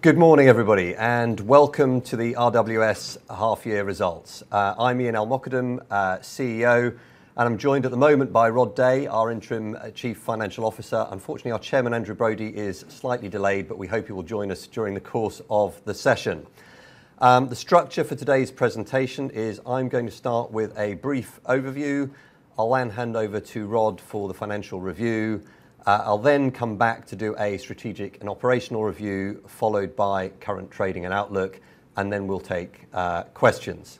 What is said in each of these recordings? Good morning, everybody, and welcome to the RWS half-year results. I'm Ian El-Mokadem, our CEO, and I'm joined at the moment by Rod Day, our interim chief financial officer. Unfortunately, our chairman, Andrew Brode, is slightly delayed, but we hope he will join us during the course of the session. The structure for today's presentation is I'm going to start with a brief overview. I'll then hand over to Rod for the financial review. I'll then come back to do a strategic and operational review, followed by current trading and outlook, and then we'll take questions.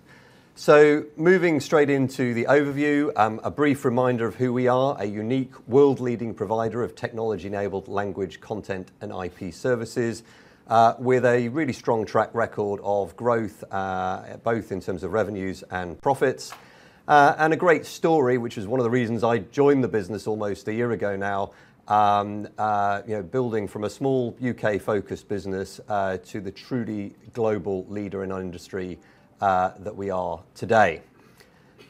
Moving straight into the overview, a brief reminder of who we are, a unique world-leading provider of technology-enabled language, content, and IP services, with a really strong track record of growth, both in terms of revenues and profits. A great story, which is one of the reasons I joined the business almost a year ago now, you know, building from a small UK-focused business to the truly global leader in our industry that we are today.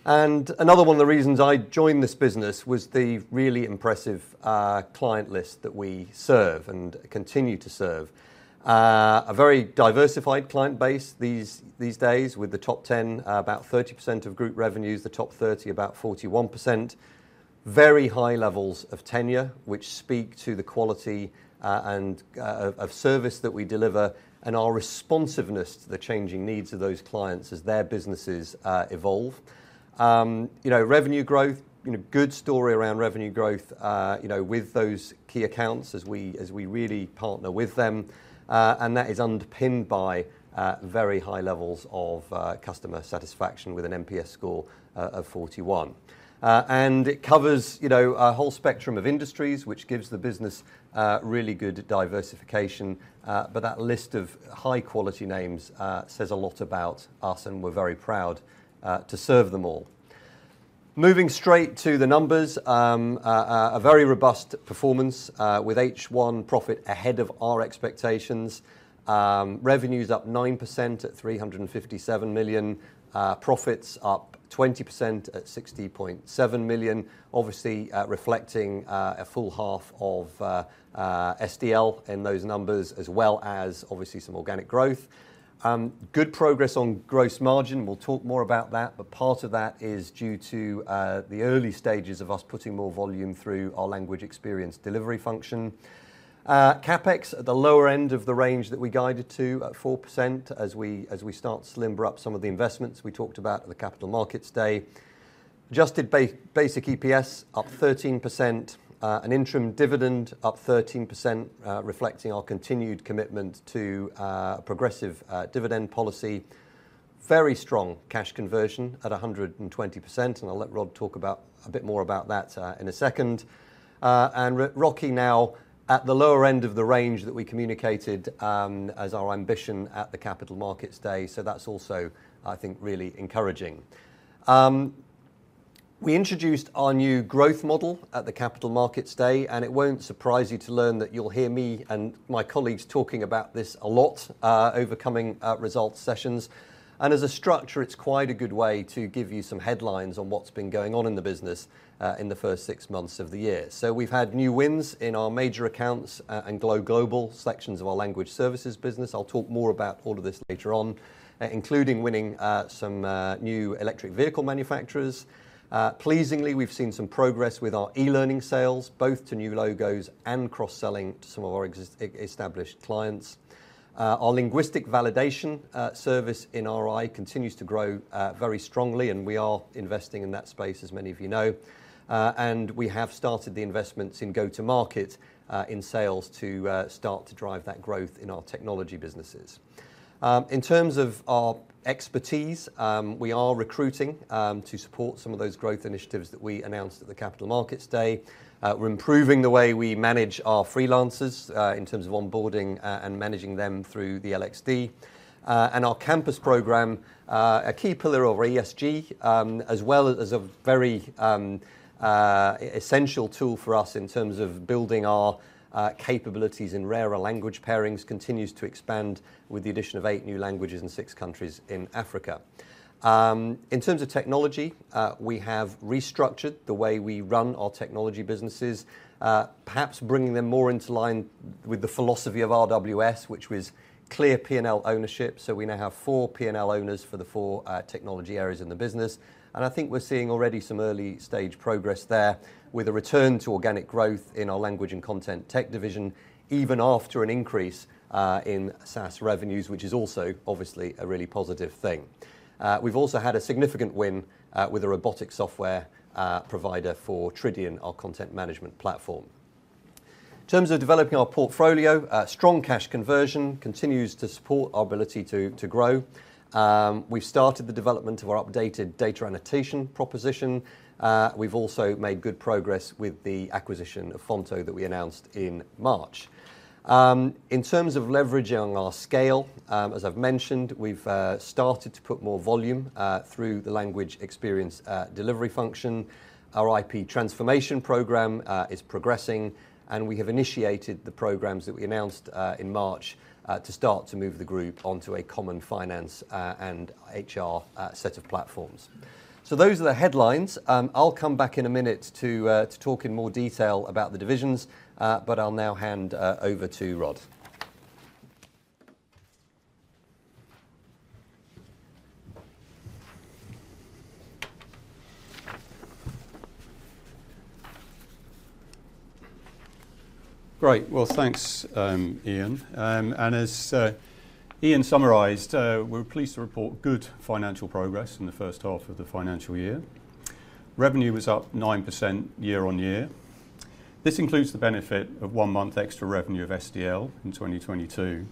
Another one of the reasons I joined this business was the really impressive client list that we serve and continue to serve. A very diversified client base these days, with the top 10 about 30% of group revenues, the top 30 about 41%. Very high levels of tenure, which speak to the quality of service that we deliver and our responsiveness to the changing needs of those clients as their businesses evolve. You know, revenue growth, you know, good story around revenue growth, with those key accounts as we really partner with them. That is underpinned by very high levels of customer satisfaction with an NPS score of 41. It covers, you know, a whole spectrum of industries, which gives the business really good diversification, but that list of high-quality names says a lot about us, and we're very proud to serve them all. Moving straight to the numbers. A very robust performance with H1 profit ahead of our expectations. Revenues up 9% at 357 million. Profits up 20% at 60.7 million, obviously, reflecting a full half of SDL in those numbers, as well as obviously some organic growth. Good progress on gross margin. We'll talk more about that, but part of that is due to the early stages of us putting more volume through our Language eXperience Delivery function. CapEx at the lower end of the range that we guided to at 4% as we start to limber up some of the investments we talked about at the Capital Markets Day. Adjusted basic EPS up 13%. An interim dividend up 13%, reflecting our continued commitment to progressive dividend policy. Very strong cash conversion at 120%, and I'll let Rod talk about a bit more about that in a second. ROE now at the lower end of the range that we communicated as our ambition at the Capital Markets Day. That's also, I think, really encouraging. We introduced our new growth model at the Capital Markets Day, and it won't surprise you to learn that you'll hear me and my colleagues talking about this a lot over coming results sessions. As a structure, it's quite a good way to give you some headlines on what's been going on in the business in the first six months of the year. We've had new wins in our major accounts and GoGlobal sections of our language services business. I'll talk more about all of this later on, including winning some new electric vehicle manufacturers. Pleasingly, we've seen some progress with our eLearning sales, both to new logos and cross-selling to some of our established clients. Our linguistic validation service in RI continues to grow very strongly, and we are investing in that space, as many of you know. We have started the investments in go-to-market in sales to start to drive that growth in our technology businesses. In terms of our expertise, we are recruiting to support some of those growth initiatives that we announced at the Capital Markets Day. We're improving the way we manage our freelancers in terms of onboarding and managing them through the LXD. Our campus program, a key pillar of our ESG, as well as a very essential tool for us in terms of building our capabilities in rarer language pairings continues to expand with the addition of eight new languages in six countries in Africa. In terms of technology, we have restructured the way we run our technology businesses, perhaps bringing them more into line with the philosophy of RWS, which was clear P&L ownership. We now have four P&L owners for the 4 technology areas in the business. I think we're seeing already some early-stage progress there with a return to organic growth in our language and content tech division, even after an increase in SaaS revenues, which is also obviously a really positive thing. We've also had a significant win with a robotic software provider for Tridion, our content management platform. In terms of developing our portfolio, strong cash conversion continues to support our ability to grow. We've started the development of our updated data annotation proposition. We've also made good progress with the acquisition of Fonto that we announced in March. In terms of leveraging our scale, as I've mentioned, we've started to put more volume through the Language eXperience Delivery function. Our IP transformation program is progressing, and we have initiated the programs that we announced in March to start to move the group onto a common finance and HR set of platforms. Those are the headlines. I'll come back in a minute to talk in more detail about the divisions, but I'll now hand over to Rod. Great. Well, thanks, Ian. And as Ian summarized, we're pleased to report good financial progress in the first half of the financial year. Revenue was up 9% year-on-year. This includes the benefit of one month extra revenue of SDL in 2022.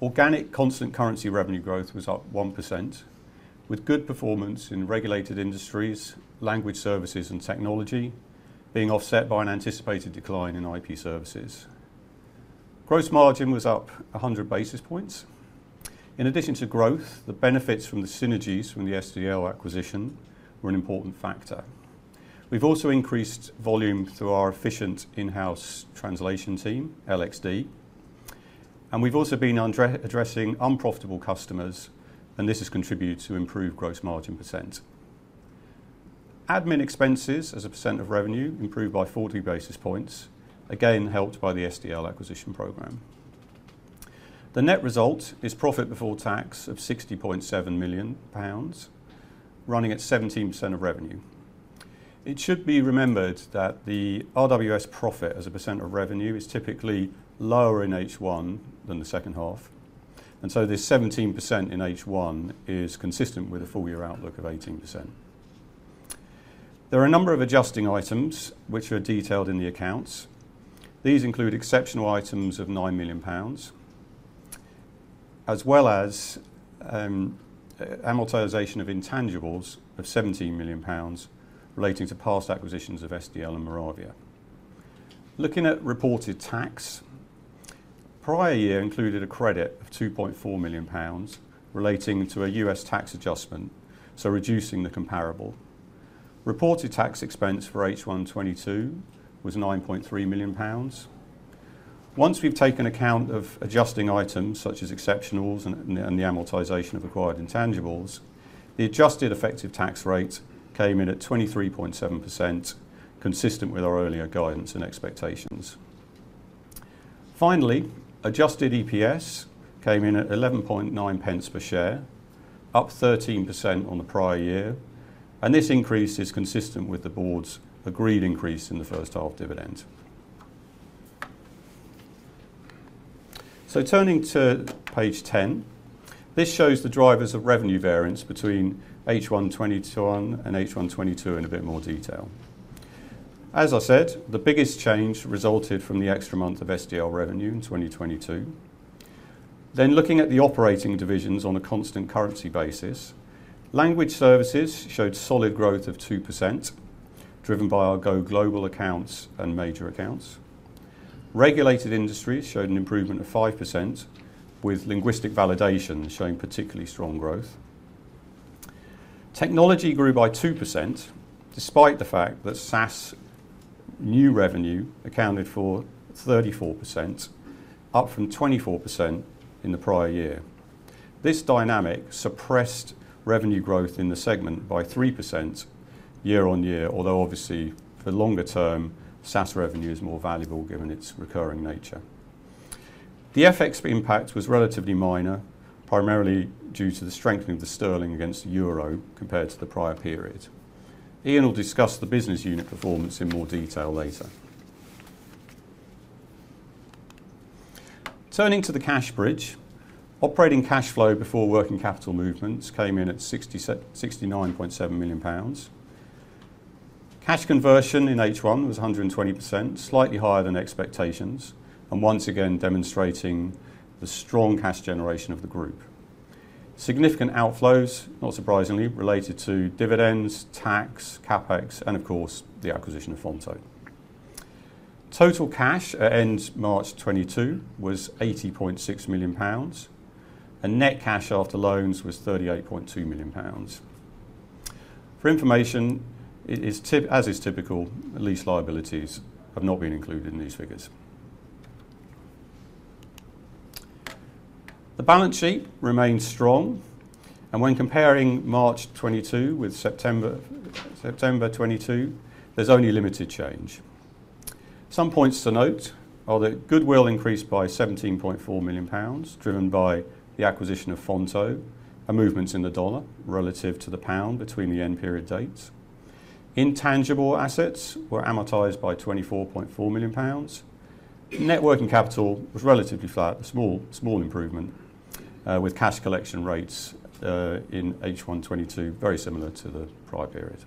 Organic constant currency revenue growth was up 1%, with good performance in regulated industries, language services and technology being offset by an anticipated decline in IP services. Gross margin was up 100 basis points. In addition to growth, the benefits from the synergies from the SDL acquisition were an important factor. We've also increased volume through our efficient in-house translation team, LXD, and we've also been addressing unprofitable customers, and this has contributed to improved gross margin percent. Admin expenses as a percent of revenue improved by 40 basis points, again, helped by the SDL acquisition program. The net result is profit before tax of 60.7 million pounds, running at 17% of revenue. It should be remembered that the RWS profit as a percent of revenue is typically lower in H1 than the second half, and so this 17% in H1 is consistent with a full year outlook of 18%. There are a number of adjusting items which are detailed in the accounts. These include exceptional items of 9 million pounds, as well as amortization of intangibles of 17 million pounds relating to past acquisitions of SDL and Moravia. Looking at reported tax, prior year included a credit of 2.4 million pounds relating to a U.S. tax adjustment, so reducing the comparable. Reported tax expense for H1 2022 was 9.3 million pounds. Once we've taken account of adjusting items such as exceptionals and the amortization of acquired intangibles, the adjusted effective tax rate came in at 23.7%, consistent with our earlier guidance and expectations. Finally, adjusted EPS came in at 11.9% per share, up 13% on the prior year, and this increase is consistent with the board's agreed increase in the first half dividend. Turning to page 10, this shows the drivers of revenue variance between H1 2022 and H1 2022 in a bit more detail. As I said, the biggest change resulted from the extra month of SDL revenue in 2022. Looking at the operating divisions on a constant currency basis. Language services showed solid growth of 2%, driven by our Go Global accounts and major accounts. Regulated industries showed an improvement of 5%, with Linguistic Validation showing particularly strong growth. Technology grew by 2%, despite the fact that SaaS new revenue accounted for 34%, up from 24% in the prior year. This dynamic suppressed revenue growth in the segment by 3% year-on-year, although obviously for the longer term, SaaS revenue is more valuable given its recurring nature. The FX impact was relatively minor, primarily due to the strengthening of the sterling against the euro compared to the prior period. Ian will discuss the business unit performance in more detail later. Turning to the cash bridge, operating cash flow before working capital movements came in at 69.7 million pounds. Cash conversion in H1 was 120%, slightly higher than expectations, and once again demonstrating the strong cash generation of the group. Significant outflows, not surprisingly, related to dividends, tax, CapEx, and of course, the acquisition of Fonto. Total cash at end March 2022 was 80.6 million pounds, and net cash after loans was 38.2 million pounds. For information, as is typical, lease liabilities have not been included in these figures. The balance sheet remains strong, and when comparing March 2022 with September 2022, there's only limited change. Some points to note are that goodwill increased by 17.4 million pounds, driven by the acquisition of Fonto, a movement in the dollar relative to the pound between the end period dates. Intangible assets were amortized by 24.4 million pounds. Net working capital was relatively flat, a small improvement with cash collection rates in H1 2022 very similar to the prior period.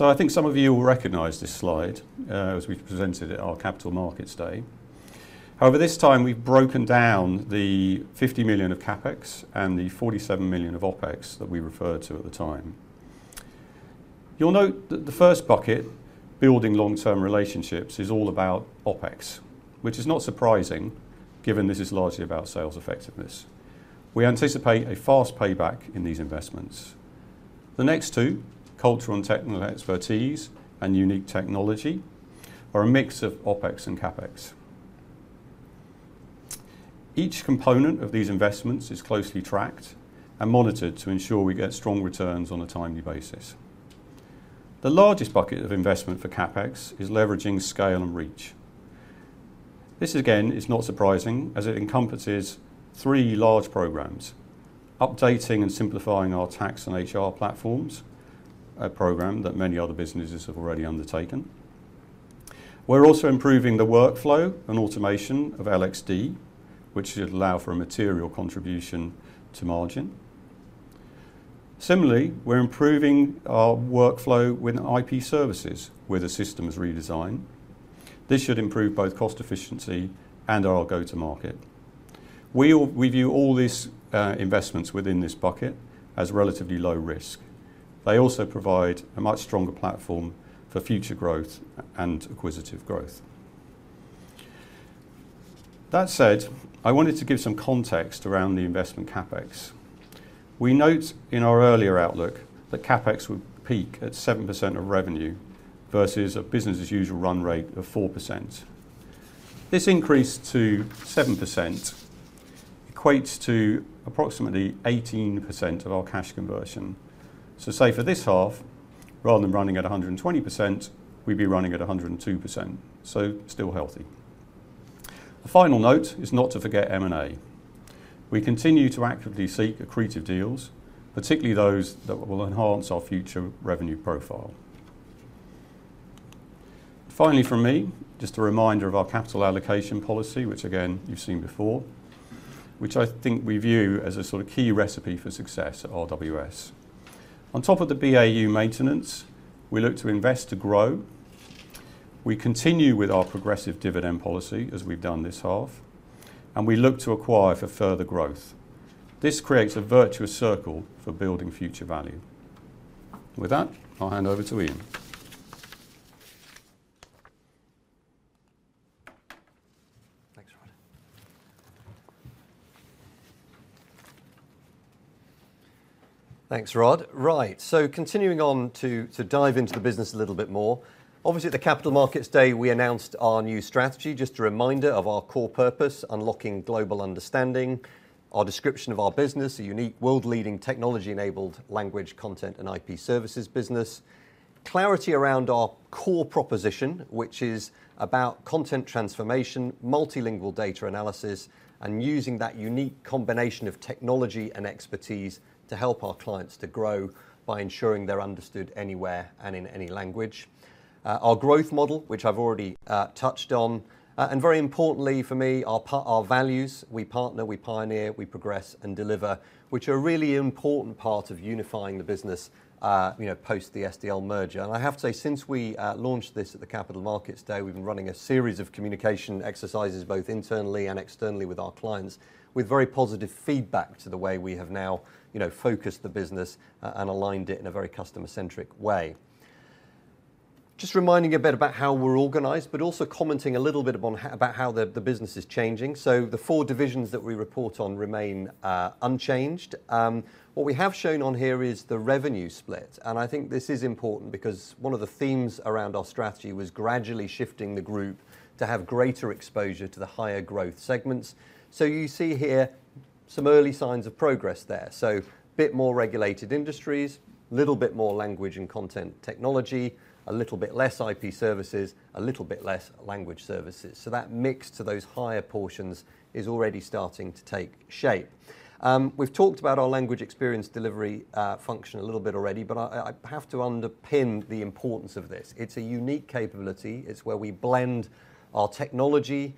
I think some of you will recognize this slide, as we presented at our Capital Markets Day. However, this time we've broken down the 50 million of CapEx and the 47 million of OpEx that we referred to at the time. You'll note that the first bucket, building long-term relationships, is all about OpEx, which is not surprising given this is largely about sales effectiveness. We anticipate a fast payback in these investments. The next two, cultural and technical expertise and unique technology, are a mix of OpEx and CapEx. Each component of these investments is closely tracked and monitored to ensure we get strong returns on a timely basis. The largest bucket of investment for CapEx is leveraging scale and reach. This again is not surprising as it encompasses three large programs. Updating and simplifying our tax and HR platforms, a program that many other businesses have already undertaken. We're also improving the workflow and automation of LXD, which should allow for a material contribution to margin. Similarly, we're improving our workflow with IP services, where the system is redesigned. This should improve both cost efficiency and our go-to-market. We view all these investments within this bucket as relatively low risk. They also provide a much stronger platform for future growth and acquisitive growth. That said, I wanted to give some context around the investment CapEx. We note in our earlier outlook that CapEx would peak at 7% of revenue versus a business as usual run rate of 4%. This increase to 7% equates to approximately 18% of our cash conversion. Say for this half, rather than running at 120%, we'd be running at 102%. Still healthy. A final note is not to forget M&A. We continue to actively seek accretive deals, particularly those that will enhance our future revenue profile. Finally from me, just a reminder of our capital allocation policy, which again, you've seen before, which I think we view as a sort of key recipe for success at RWS. On top of the BAU maintenance, we look to invest to grow. We continue with our progressive dividend policy as we've done this half, and we look to acquire for further growth. This creates a virtuous circle for building future value. With that, I'll hand over to Ian. Thanks, Rod. Continuing on to dive into the business a little bit more. Obviously, at the Capital Markets Day, we announced our new strategy. Just a reminder of our core purpose, unlocking global understanding, our description of our business, a unique world-leading technology-enabled language content and IP services business. Clarity around our core proposition, which is about content transformation, multilingual data analysis, and using that unique combination of technology and expertise to help our clients to grow by ensuring they're understood anywhere and in any language. Our growth model, which I've already touched on. Very importantly for me, our values. We partner, we pioneer, we progress, and deliver, which are a really important part of unifying the business post the SDL merger. I have to say, since we launched this at the Capital Markets Day, we've been running a series of communication exercises, both internally and externally with our clients, with very positive feedback to the way we have now, you know, focused the business, and aligned it in a very customer-centric way. Just reminding a bit about how we're organized, but also commenting a little bit upon how the business is changing. The four divisions that we report on remain unchanged. What we have shown on here is the revenue split. I think this is important because one of the themes around our strategy was gradually shifting the group to have greater exposure to the higher growth segments. You see here some early signs of progress there. Bit more regulated industries, little bit more language and content technology, a little bit less IP services, a little bit less language services. That mix to those higher portions is already starting to take shape. We've talked about our Language eXperience Delivery function a little bit already, but I have to underpin the importance of this. It's a unique capability. It's where we blend our technology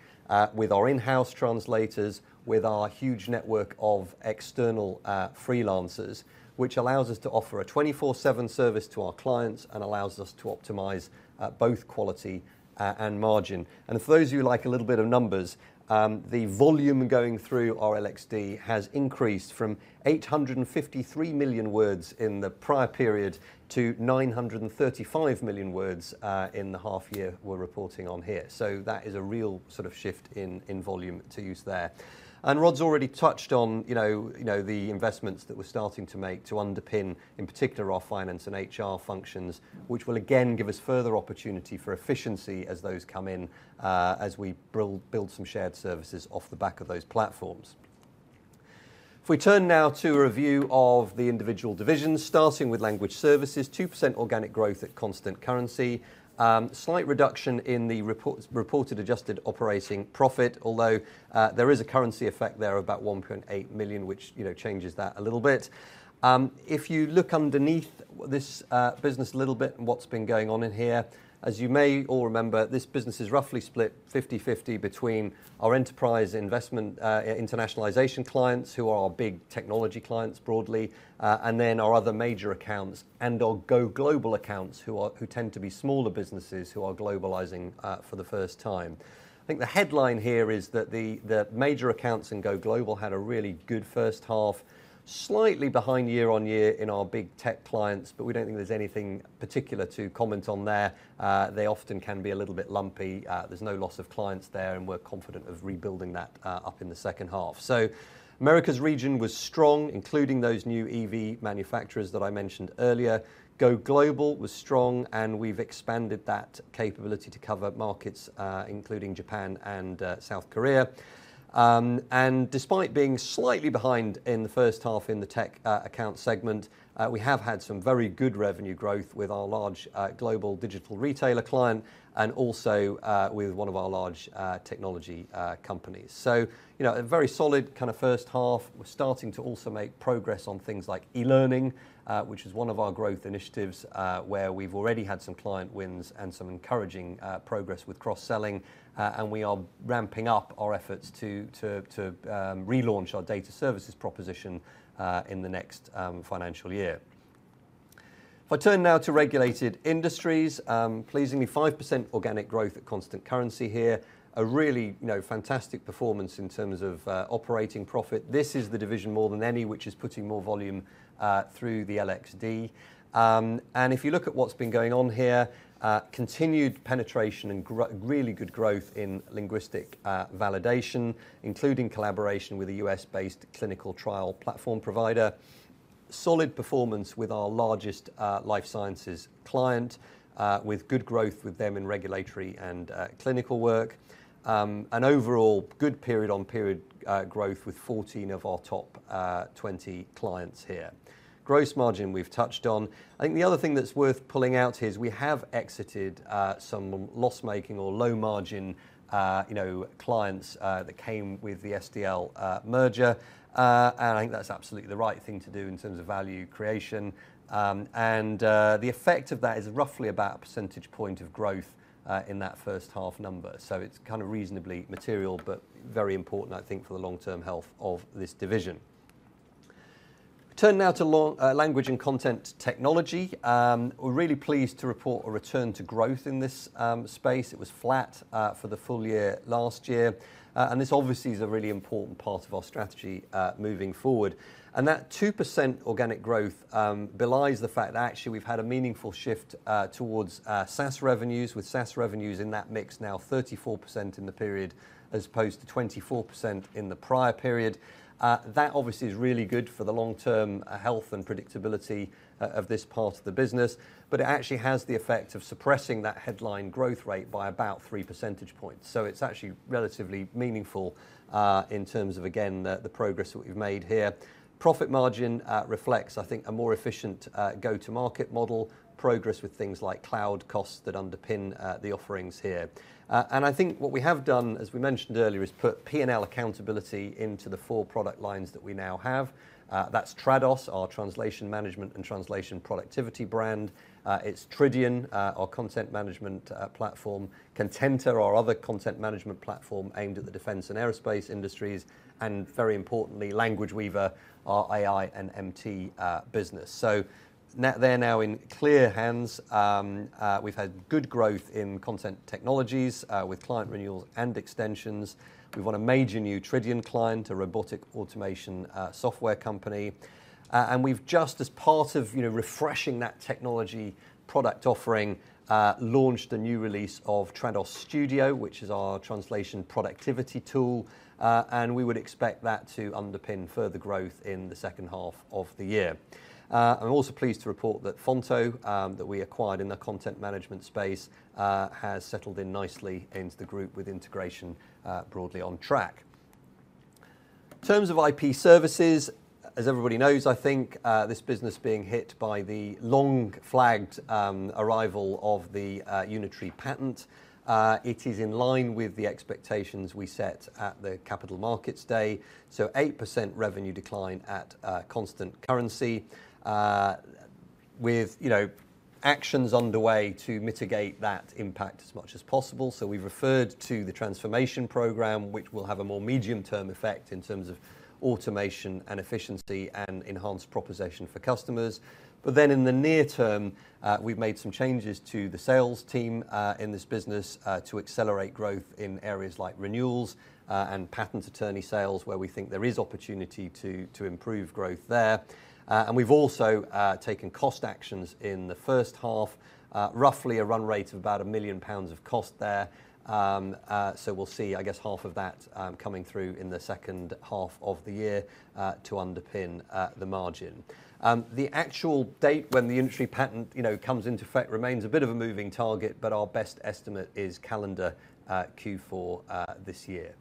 with our in-house translators, with our huge network of external freelancers, which allows us to offer a 24/7 service to our clients and allows us to optimize both quality and margin. For those of you who like a little bit of numbers, the volume going through our LXD has increased from 853 million words in the prior period to 935 million words in the half year we're reporting on here. That is a real sort of shift in volume to use there. Rod's already touched on, you know, the investments that we're starting to make to underpin, in particular, our finance and HR functions, which will again give us further opportunity for efficiency as those come in, as we build some shared services off the back of those platforms. If we turn now to a review of the individual divisions, starting with language services, 2% organic growth at constant currency. Slight reduction in the reported adjusted operating profit, although there is a currency effect there of about 1.8 million, which, you know, changes that a little bit. If you look underneath this business a little bit and what's been going on in here, as you may all remember, this business is roughly split 50/50 between our enterprise investment internationalization clients, who are our big technology clients broadly, and then our other major accounts and our Go Global accounts, who tend to be smaller businesses who are globalizing for the first time. I think the headline here is that the major accounts in Go Global had a really good first half, slightly behind year-over-year in our big tech clients, but we don't think there's anything particular to comment on there. They often can be a little bit lumpy. There's no loss of clients there, and we're confident of rebuilding that up in the second half. America's region was strong, including those new EV manufacturers that I mentioned earlier. GoGlobal was strong, and we've expanded that capability to cover markets, including Japan and South Korea. Despite being slightly behind in the first half in the tech account segment, we have had some very good revenue growth with our large global digital retailer client and also with one of our large technology companies. You know, a very solid kind of first half. We're starting to also make progress on things like eLearning, which is one of our growth initiatives, where we've already had some client wins and some encouraging progress with cross-selling. We are ramping up our efforts to relaunch our data services proposition in the next financial year. If I turn now to Regulated Industries, pleasingly 5% organic growth at constant currency here. A really, you know, fantastic performance in terms of operating profit. This is the division more than any which is putting more volume through the LXD. If you look at what's been going on here, continued penetration and really good growth in Linguistic Validation, including collaboration with a US-based clinical trial platform provider. Solid performance with our largest life sciences client with good growth with them in regulatory and clinical work. Overall, good period-on-period growth with 14 of our top 20 clients here. Gross margin we've touched on. I think the other thing that's worth pulling out here is we have exited some loss-making or low-margin you know clients that came with the SDL merger. I think that's absolutely the right thing to do in terms of value creation. The effect of that is roughly about a percentage point of growth in that first half number. It's kind of reasonably material, but very important, I think, for the long-term health of this division. If we turn now to Language and Content Technology, we're really pleased to report a return to growth in this space. It was flat for the full year last year. This obviously is a really important part of our strategy moving forward. That 2% organic growth belies the fact that actually we've had a meaningful shift towards SaaS revenues, with SaaS revenues in that mix now 34% in the period as opposed to 24% in the prior period. That obviously is really good for the long-term health and predictability of this part of the business, but it actually has the effect of suppressing that headline growth rate by about three percentage points. It's actually relatively meaningful in terms of, again, the progress that we've made here. Profit margin reflects, I think, a more efficient go-to-market model, progress with things like cloud costs that underpin the offerings here. I think what we have done, as we mentioned earlier, is put P&L accountability into the four product lines that we now have. That's Trados, our translation management and translation productivity brand. It's Tridion, our content management platform. Contenta, our other content management platform aimed at the defense and aerospace industries. Very importantly, LanguageWeaver, our AI and MT business. They're now in clear hands. We've had good growth in content technologies with client renewals and extensions. We've won a major new Tridion client, a robotic automation software company. We've just as part of, you know, refreshing that technology product offering, launched a new release of Trados Studio, which is our translation productivity tool. We would expect that to underpin further growth in the second half of the year. I'm also pleased to report that Fonto, that we acquired in the content management space, has settled in nicely into the group with integration, broadly on track. In terms of IP services, as everybody knows, I think, this business being hit by the long-flagged arrival of the Unitary Patent, it is in line with the expectations we set at the Capital Markets Day. 8% revenue decline at constant currency, with, you know, actions underway to mitigate that impact as much as possible. We've referred to the transformation program, which will have a more medium-term effect in terms of automation and efficiency and enhanced proposition for customers. In the near term, we've made some changes to the sales team in this business to accelerate growth in areas like renewals and patent attorney sales, where we think there is opportunity to improve growth there. We've also taken cost actions in the first half, roughly a run rate of about 1 million pounds of cost there. We'll see, I guess, half of that coming through in the second half of the year to underpin the margin. The actual date when the Unitary Patent, you know, comes into effect remains a bit of a moving target, but our best estimate is calendar Q4 this year.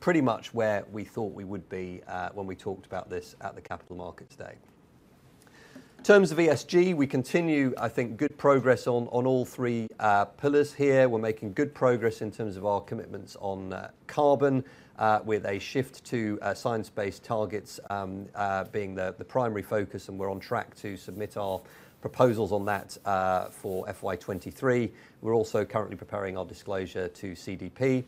Pretty much where we thought we would be when we talked about this at the Capital Markets Day. In terms of ESG, we continue, I think, good progress on all three pillars here. We're making good progress in terms of our commitments on carbon with a shift to science-based targets being the primary focus, and we're on track to submit our proposals on that for FY 2023. We're also currently preparing our disclosure to CDP.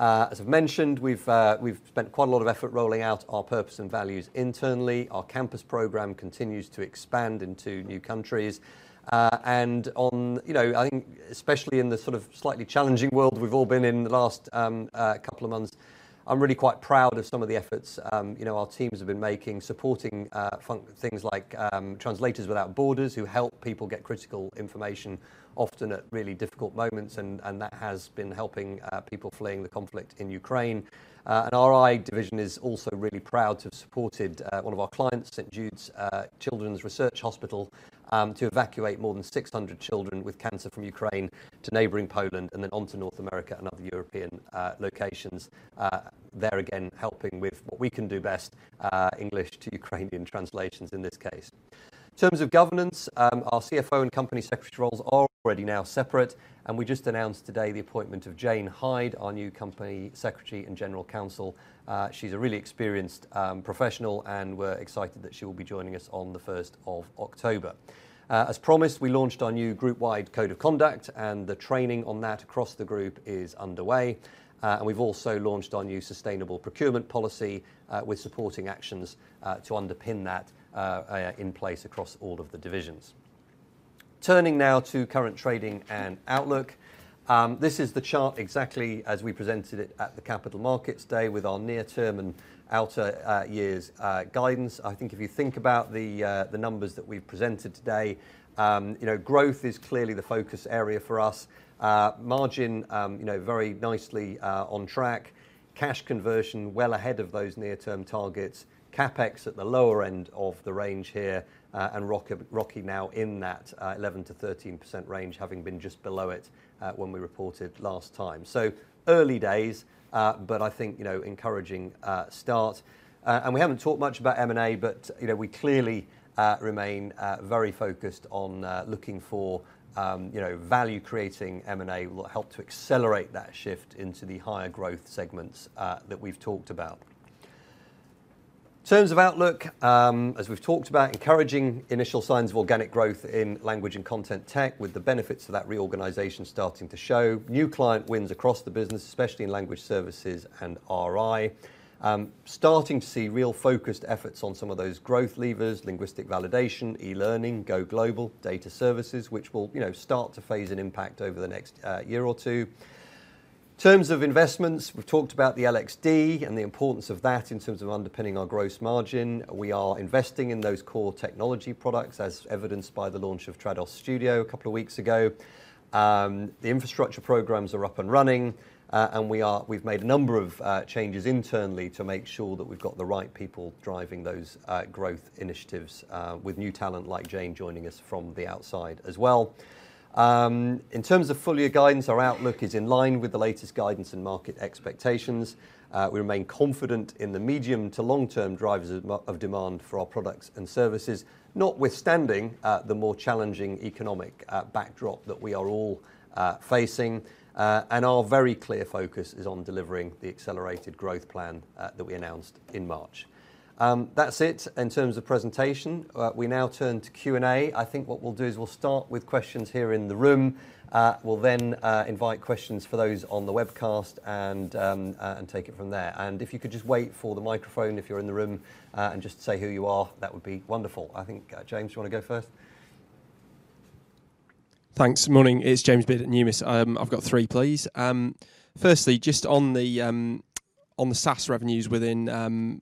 As I've mentioned, we've spent quite a lot of effort rolling out our purpose and values internally. Our campus program continues to expand into new countries. You know, I think especially in the sort of slightly challenging world we've all been in the last couple of months, I'm really quite proud of some of the efforts, you know, our teams have been making, supporting things like Translators without Borders, who help people get critical information often at really difficult moments and that has been helping people fleeing the conflict in Ukraine. Our RI division is also really proud to have supported one of our clients, St. Jude Children's Research Hospital, to evacuate more than 600 children with cancer from Ukraine to neighboring Poland, and then on to North America and other European locations, there again, helping with what we can do best, English to Ukrainian translations in this case. In terms of governance, our CFO and company secretary roles are already now separate, and we just announced today the appointment of Jane Hyde, our new Company Secretary and General Counsel. She's a really experienced professional, and we're excited that she will be joining us on the first of October. As promised, we launched our new group-wide code of conduct, and the training on that across the group is underway. We've also launched our new sustainable procurement policy with supporting actions to underpin that in place across all of the divisions. Turning now to current trading and outlook. This is the chart exactly as we presented it at the Capital Markets Day with our near-term and outer years guidance. I think if you think about the numbers that we've presented today, you know, growth is clearly the focus area for us. Margin, you know, very nicely on track. Cash conversion well ahead of those near-term targets. CapEx at the lower end of the range here, and ROCE now in that 11%-13% range, having been just below it when we reported last time. Early days, but I think, you know, encouraging start. We haven't talked much about M&A, but, you know, we clearly remain very focused on looking for, you know, value creating M&A will help to accelerate that shift into the higher growth segments that we've talked about. In terms of outlook, as we've talked about, encouraging initial signs of organic growth in language and content tech with the benefits of that reorganization starting to show. New client wins across the business, especially in language services and RI. Starting to see real focused efforts on some of those growth levers, Linguistic Validation, eLearning, GoGlobal, Data Services, which will, you know, start to phase in an impact over the next, year or two. In terms of investments, we've talked about the LXD and the importance of that in terms of underpinning our gross margin. We are investing in those core technology products as evidenced by the launch of Trados Studio a couple of weeks ago. The infrastructure programs are up and running. We've made a number of changes internally to make sure that we've got the right people driving those growth initiatives with new talent like Jane joining us from the outside as well. In terms of full-year guidance, our outlook is in line with the latest guidance and market expectations. We remain confident in the medium to long-term drivers of demand for our products and services, notwithstanding the more challenging economic backdrop that we are all facing. Our very clear focus is on delivering the accelerated growth plan that we announced in March. That's it in terms of presentation. We now turn to Q&A. I think what we'll do is we'll start with questions here in the room. We'll then invite questions for those on the webcast and take it from there. If you could just wait for the microphone if you're in the room and just say who you are, that would be wonderful. I think, James, you wanna go first? Thanks. Morning. It's James Sheridan, Numis. I've got three, please. Firstly, just on the SaaS revenues within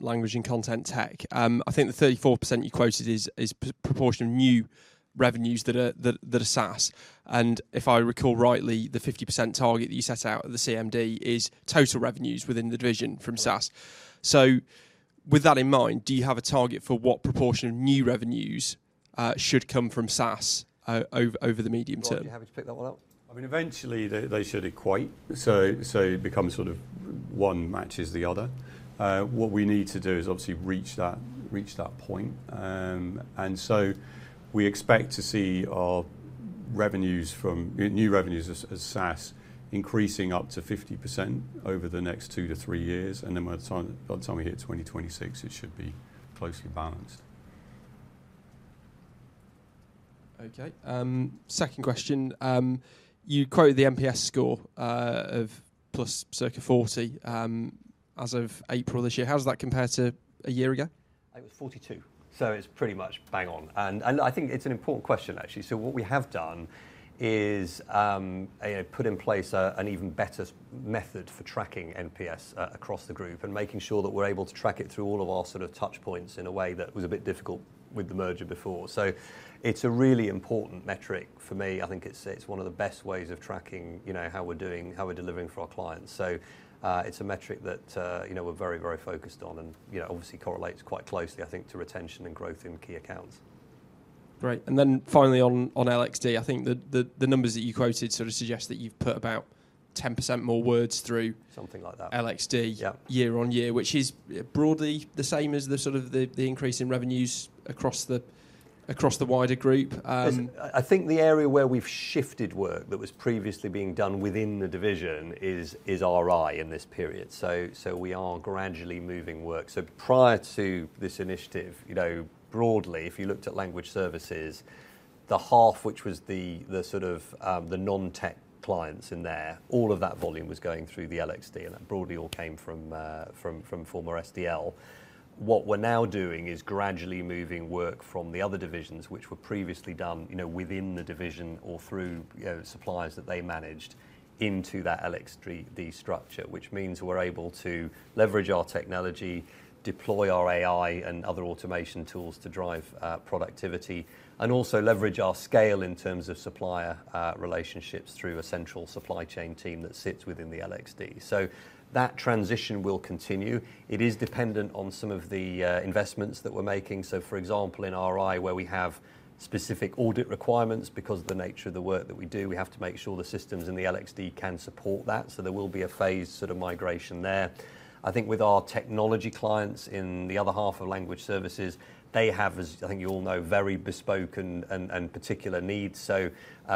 language and content tech, I think the 34% you quoted is proportion of new revenues that are SaaS. If I recall rightly, the 50% target that you set out at the CMD is total revenues within the division from SaaS. Right. With that in mind, do you have a target for what proportion of new revenues should come from SaaS over the medium term? Rod, are you happy to pick that one up? I mean, eventually, they should equate. It becomes sort of one matches the other. What we need to do is obviously reach that point. We expect to see our revenues from new revenues as SaaS increasing up to 50% over the next two to three years. By the time we hit 2026, it should be closely balanced. Okay. Second question. You quoted the NPS score of plus circa 40 as of April this year. How does that compare to a year ago? It was 42. It's pretty much bang on. I think it's an important question, actually. What we have done is, you know, put in place an even better method for tracking NPS across the group and making sure that we're able to track it through all of our sort of touch points in a way that was a bit difficult with the merger before. It's a really important metric for me. I think it's one of the best ways of tracking, you know, how we're doing, how we're delivering for our clients. It's a metric that, you know, we're very, very focused on and, you know, obviously correlates quite closely, I think, to retention and growth in key accounts. Great. Finally on LXD, I think the numbers that you quoted sort of suggest that you've put about 10% more words through- Something like that. LXD Yeah year-on-year, which is broadly the same as the sort of increase in revenues across the Across the wider group. Yes. I think the area where we've shifted work that was previously being done within the division is RI in this period. We are gradually moving work. Prior to this initiative, you know, broadly, if you looked at language services, the half which was the sort of the non-tech clients in there, all of that volume was going through the LXD and that broadly all came from former SDL. What we're now doing is gradually moving work from the other divisions which were previously done, you know, within the division or through, you know, suppliers that they managed into that LXD structure, which means we're able to leverage our technology, deploy our AI and other automation tools to drive productivity, and also leverage our scale in terms of supplier relationships through a central supply chain team that sits within the LXD. That transition will continue. It is dependent on some of the investments that we're making. For example, in RI where we have specific audit requirements because the nature of the work that we do, we have to make sure the systems in the LXD can support that. There will be a phased sort of migration there. I think with our technology clients in the other half of language services, they have, as I think you all know, very bespoke and particular needs.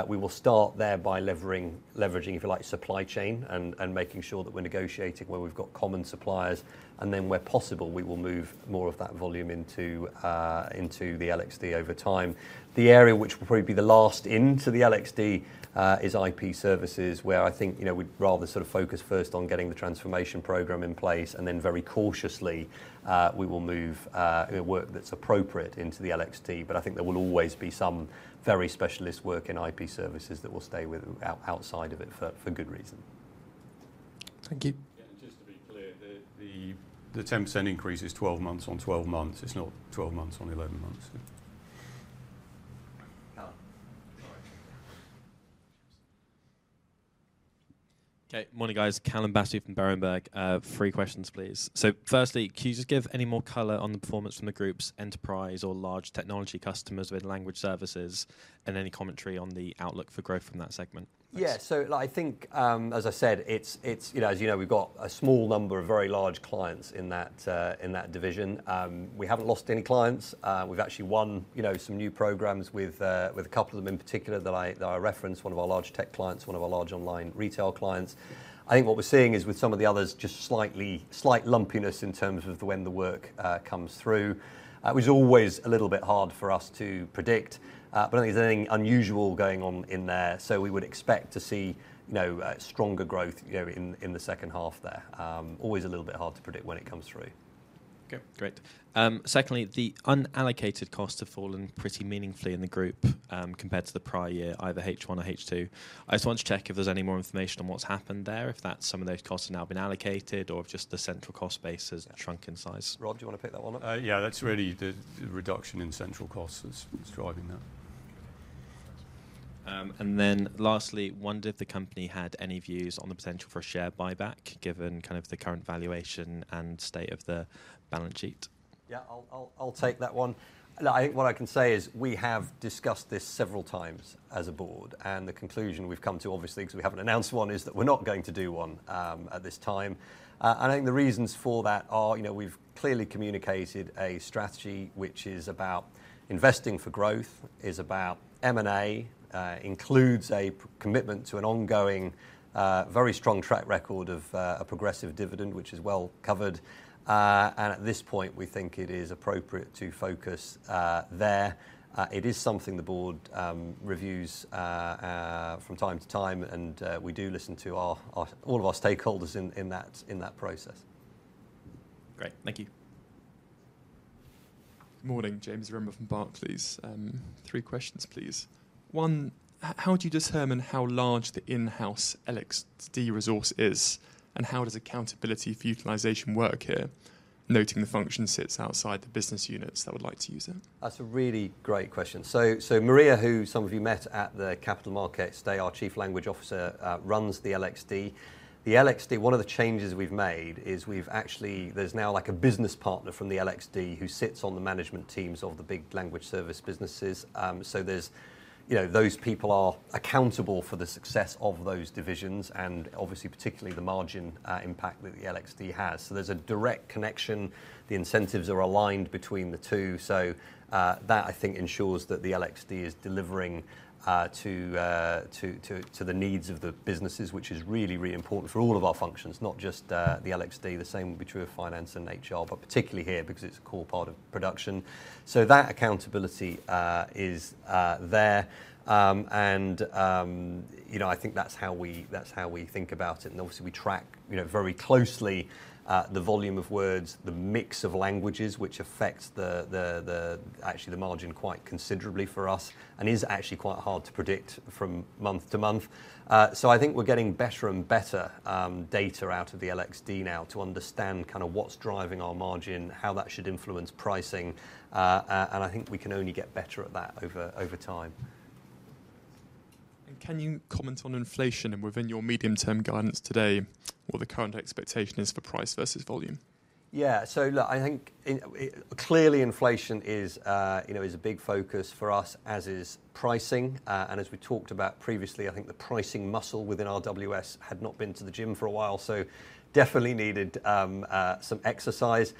We will start there by leveraging, if you like, supply chain and making sure that we're negotiating where we've got common suppliers, and then where possible, we will move more of that volume into the LXD over time. The area which will probably be the last into the LXD is IP services, where I think, you know, we'd rather sort of focus first on getting the transformation program in place and then very cautiously we will move work that's appropriate into the LXD. I think there will always be some very specialist work in IP services that will stay outside of it for good reason. Thank you. Yeah. Just to be clear, the 10% increase is 12 months on 12 months. It's not 12 months on 11 months. Callum. Okay. Morning, guys. Calum Battersby from Berenberg. Three questions, please. Firstly, can you just give any more color on the performance from the groups enterprise or large technology customers with language services and any commentary on the outlook for growth from that segment? Thanks. Yeah. I think, as I said, it's, you know, as you know, we've got a small number of very large clients in that division. We haven't lost any clients. We've actually won, you know, some new programs with a couple of them in particular that I referenced, one of our large tech clients, one of our large online retail clients. I think what we're seeing is with some of the others, just slight lumpiness in terms of when the work comes through. It was always a little bit hard for us to predict, but I don't think there's anything unusual going on in there. We would expect to see, you know, stronger growth, you know, in the second half there. Always a little bit hard to predict when it comes through. Okay, great. Secondly, the unallocated costs have fallen pretty meaningfully in the group, compared to the prior year, either H one or H two. I just wanted to check if there's any more information on what's happened there, if that's some of those costs have now been allocated or if just the central cost base has shrunk in size. Rod, do you wanna pick that one up? Yeah, that's really the reduction in central costs is driving that. Lastly, wondered if the company had any views on the potential for a share buyback, given kind of the current valuation and state of the balance sheet. Yeah. I'll take that one. Look, what I can say is we have discussed this several times as a board, and the conclusion we've come to, obviously, because we haven't announced one, is that we're not going to do one at this time. I think the reasons for that are, you know, we've clearly communicated a strategy which is about investing for growth, is about M&A, includes a commitment to an ongoing, very strong track record of a progressive dividend, which is well covered. And at this point, we think it is appropriate to focus there. It is something the board reviews from time to time, and we do listen to all of our stakeholders in that process. Great. Thank you. Morning. James Zaremba from Barclays. Three questions, please. One, how do you determine how large the in-house LXD resource is, and how does accountability for utilization work here, noting the function sits outside the business units that would like to use it? That's a really great question. Maria, who some of you met at the Capital Markets Day, our Chief Language Officer, runs the LXD. The LXD, one of the changes we've made is there's now like a business partner from the LXD who sits on the management teams of the big language service businesses. There's, you know, those people are accountable for the success of those divisions and obviously particularly the margin impact that the LXD has. There's a direct connection. The incentives are aligned between the two. That I think ensures that the LXD is delivering to the needs of the businesses, which is really, really important for all of our functions, not just the LXD. The same would be true of finance and HR, but particularly here because it's a core part of production. That accountability is there. You know, I think that's how we think about it. Obviously, we track very closely the volume of words, the mix of languages, which affects actually the margin quite considerably for us and is actually quite hard to predict from month to month. I think we're getting better and better data out of the LXD now to understand kind of what's driving our margin, how that should influence pricing. I think we can only get better at that over time. Can you comment on inflation and within your medium-term guidance today, what the current expectation is for price versus volume? Yeah. Look, I think in, clearly inflation is, you know, is a big focus for us, as is pricing. As we talked about previously, I think the pricing muscle within RWS had not been to the gym for a while, so definitely needed some exercise.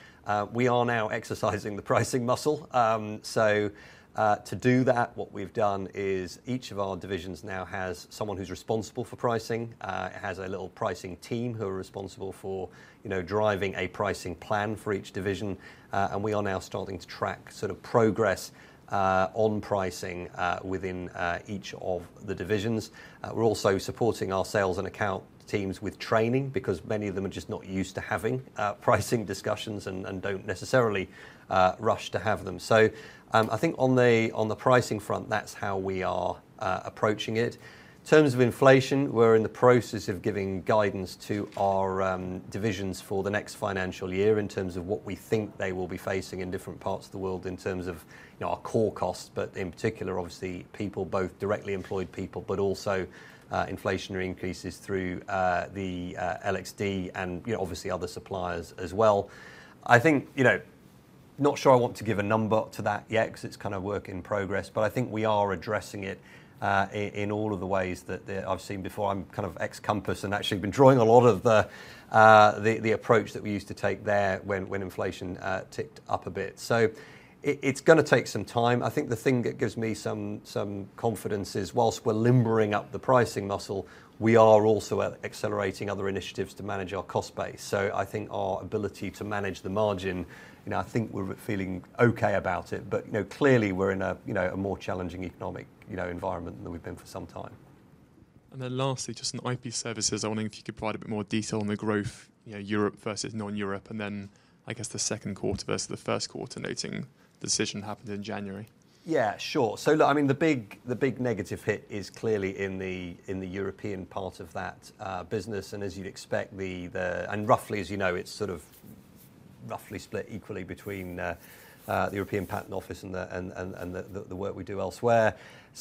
We are now exercising the pricing muscle. To do that, what we've done is each of our divisions now has someone who's responsible for pricing, has a little pricing team who are responsible for, you know, driving a pricing plan for each division. We are now starting to track sort of progress on pricing within each of the divisions. We're also supporting our sales and account teams with training because many of them are just not used to having pricing discussions and don't necessarily rush to have them. I think on the pricing front, that's how we are approaching it. In terms of inflation, we're in the process of giving guidance to our divisions for the next financial year in terms of what we think they will be facing in different parts of the world in terms of our core costs, but in particular, obviously people, both directly employed people, but also inflationary increases through the LXD and, you know, obviously other suppliers as well. I think, you know, not sure I want to give a number to that yet 'cause it's kind of work in progress, but I think we are addressing it in all of the ways that I've seen before. I'm kind of ex-Compass and actually been drawing a lot of the approach that we used to take there when inflation ticked up a bit. It's gonna take some time. I think the thing that gives me some confidence is whilst we're limbering up the pricing muscle, we are also accelerating other initiatives to manage our cost base. I think our ability to manage the margin, you know, I think we're feeling okay about it, but, you know, clearly we're in a more challenging economic environment than we've been for some time. Lastly, just on IP services, I'm wondering if you could provide a bit more detail on the growth, you know, Europe versus non-Europe, and then I guess the second quarter versus the first quarter, noting the decision happened in January. Yeah, sure. Look, I mean, the big negative hit is clearly in the European part of that business. As you'd expect, roughly as you know, it's sort of roughly split equally between the European Patent Office and the work we do elsewhere.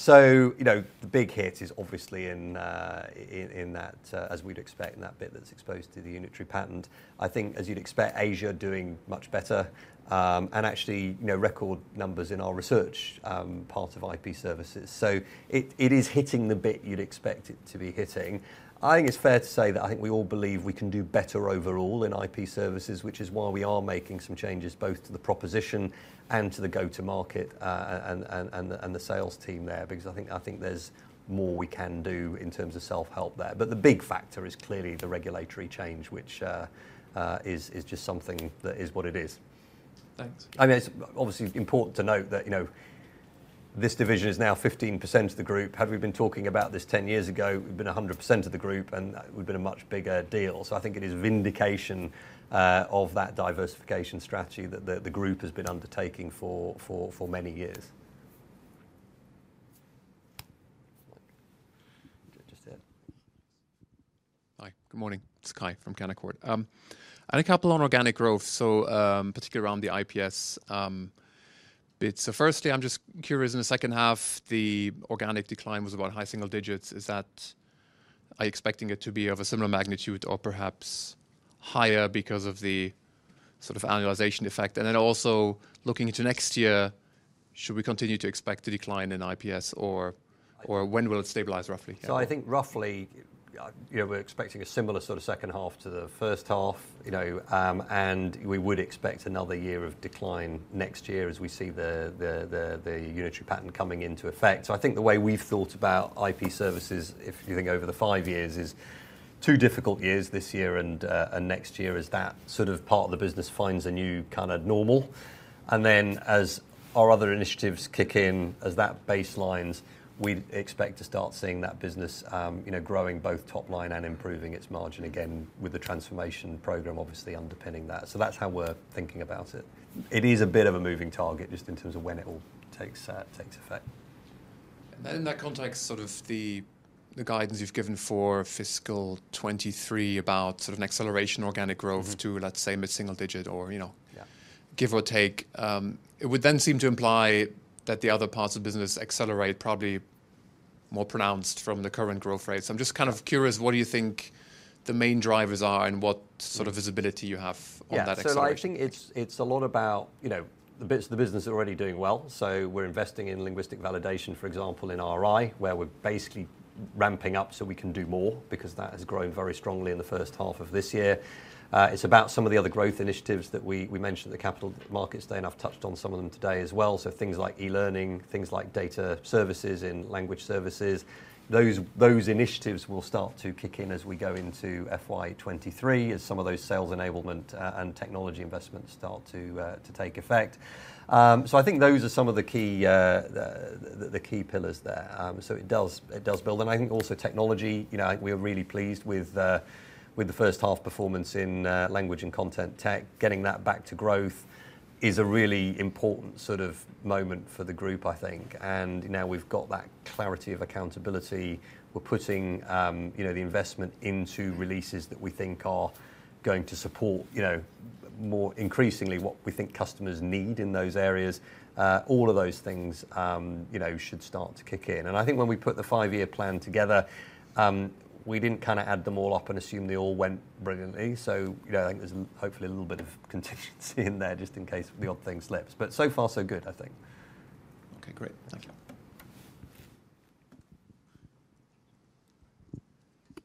You know, the big hit is obviously in that as we'd expect in that bit that's exposed to the Unitary Patent. I think as you'd expect, Asia doing much better, and actually, you know, record numbers in our research part of IP services. It is hitting the bit you'd expect it to be hitting. I think it's fair to say that we all believe we can do better overall in IP services, which is why we are making some changes both to the proposition and to the go-to-market, and the sales team there, because I think there's more we can do in terms of self-help there. The big factor is clearly the regulatory change, which is just something that is what it is. Thanks. I mean, it's obviously important to note that, you know, this division is now 15% of the group. Had we been talking about this 10 years ago, we've been 100% of the group, and it would've been a much bigger deal. I think it is vindication of that diversification strategy that the group has been undertaking for many years. Just there. Hi. Good morning. It's Kai from Canaccord. A couple on organic growth, particularly around the IPS bits. Firstly, I'm just curious, in the second half, the organic decline was about high single digits. Is that are you expecting it to be of a similar magnitude or perhaps higher because of the sort of annualization effect? Then also looking into next year, should we continue to expect a decline in IPS or when will it stabilize roughly? I think roughly, you know, we're expecting a similar sort of second half to the first half, you know, and we would expect another year of decline next year as we see the Unitary Patent coming into effect. I think the way we've thought about IP services, if you think over the five years, is two difficult years this year and next year as that sort of part of the business finds a new kind of normal. Then as our other initiatives kick in as that baselines, we'd expect to start seeing that business, you know, growing both top line and improving its margin again with the transformation program obviously underpinning that. That's how we're thinking about it. It is a bit of a moving target just in terms of when it all takes effect. Then in that context, sort of the guidance you've given for fiscal 2023 about sort of an acceleration organic growth. Mm-hmm to let's say mid-single digit or, you know Yeah give or take, it would then seem to imply that the other parts of the business accelerate probably more pronounced from the current growth rates. I'm just kind of curious, what do you think the main drivers are and what sort of visibility you have on that acceleration? I think it's a lot about, you know, the bits of the business that are already doing well. We're investing in Linguistic Validation, for example, in RI, where we're basically ramping up so we can do more because that has grown very strongly in the first half of this year. It's about some of the other growth initiatives that we mentioned at the Capital Markets Day, and I've touched on some of them today as well. Things like eLearning, things like Data Services and language services. Those initiatives will start to kick in as we go into FY 2023 as some of those sales enablement and technology investments start to take effect. I think those are some of the key pillars there. It does build. I think also technology, you know, I think we are really pleased with with the first half performance in language and content tech. Getting that back to growth is a really important sort of moment for the group, I think. Now we've got that clarity of accountability. We're putting, you know, the investment into releases that we think are going to support, you know, more increasingly what we think customers need in those areas. All of those things, you know, should start to kick in. I think when we put the five-year plan together, we didn't kinda add them all up and assume they all went brilliantly. You know, I think there's hopefully a little bit of contingency in there just in case the odd thing slips. So far so good, I think. Okay, great. Thank you. Thank you.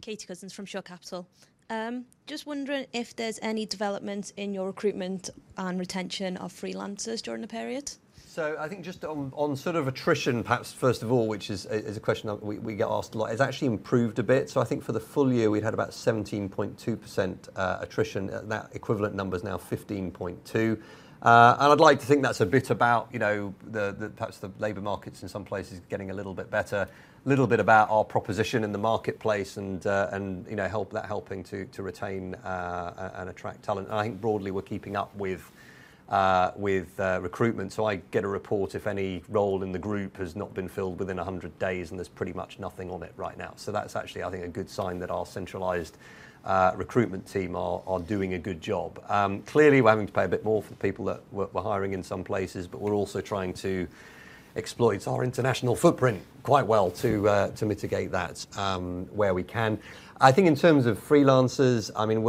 Katie Cousins from Shore Capital. Just wondering if there's any developments in your recruitment and retention of freelancers during the period? I think just on sort of attrition perhaps first of all, which is a question that we get asked a lot. It's actually improved a bit. I think for the full year we'd had about 17.2% attrition. That equivalent number's now 15.2%. And I'd like to think that's a bit about, you know, perhaps the labor markets in some places getting a little bit better, little bit about our proposition in the marketplace and you know that helping to retain and attract talent. I think broadly we're keeping up with recruitment. I get a report if any role in the group has not been filled within 100 days, and there's pretty much nothing on it right now. That's actually I think a good sign that our centralized recruitment team are doing a good job. Clearly we're having to pay a bit more for the people that we're hiring in some places, but we're also trying to exploit our international footprint quite well to mitigate that where we can. I think in terms of freelancers, I mean,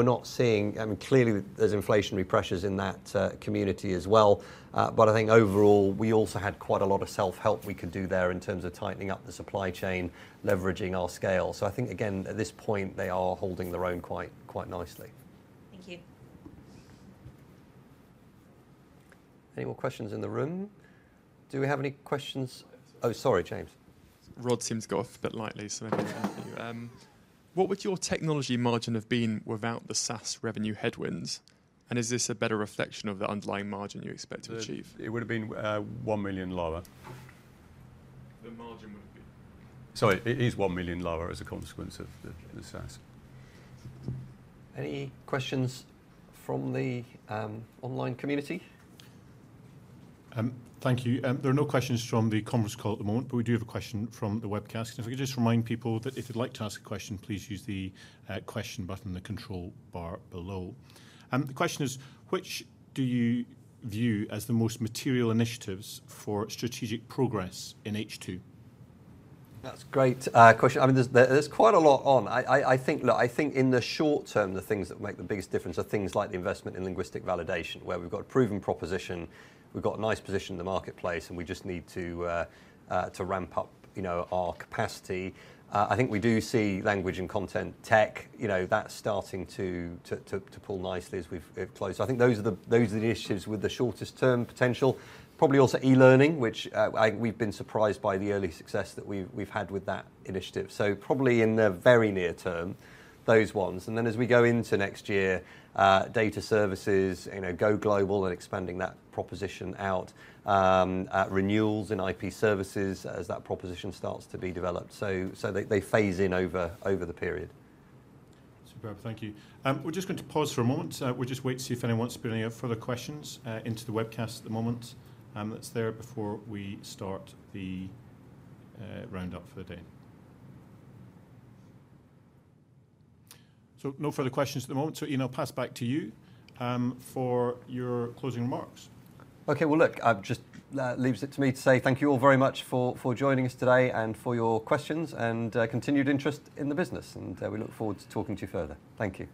clearly there's inflationary pressures in that community as well. But I think overall we also had quite a lot of self-help we could do there in terms of tightening up the supply chain, leveraging our scale. I think again, at this point they are holding their own quite nicely. Thank you. Any more questions in the room? Do we have any questions? James. Oh, sorry, James. Rod seems to go off a bit lightly, so maybe I can help you. What would your technology margin have been without the SaaS revenue headwinds? Is this a better reflection of the underlying margin you expect to achieve? It would've been 1 million lower. The margin would've been. Sorry. It is 1 million lower as a consequence of the SaaS. Any questions from the online community? Thank you. There are no questions from the Conference Call at the moment, but we do have a question from the webcast. If I could just remind people that if you'd like to ask a question, please use the question button, the control bar below. The question is: Which do you view as the most material initiatives for strategic progress in H2? That's a great question. I mean, there's quite a lot on. I think in the short term, the things that make the biggest difference are things like the investment in linguistic validation, where we've got a proven proposition, we've got a nice position in the marketplace, and we just need to ramp up, you know, our capacity. I think we do see language and content tech, you know, that's starting to pull nicely as we've closed. I think those are the initiatives with the shortest term potential. Probably also eLearning, which we've been surprised by the early success that we've had with that initiative. Probably in the very near term, those ones. Then as we go into next year, Data Services, you know, Go Global and expanding that proposition out, at renewals in IP services as that proposition starts to be developed. So they phase in over the period. Superb. Thank you. We're just going to pause for a moment. We'll just wait to see if anyone's putting any further questions into the webcast at the moment, that's there before we start the roundup for the day. No further questions at the moment. Ian, I'll pass back to you for your closing remarks. Okay. Well, look, just leaves it to me to say thank you all very much for joining us today and for your questions and continued interest in the business. We look forward to talking to you further. Thank you.